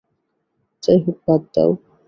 যাইহোক, বাদ দাও।